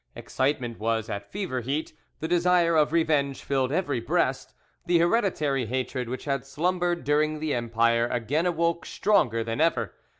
Excitement was at fever heat, the desire of revenge filled every breast, the hereditary hatred which had slumbered during the Empire again awoke stronger than ever.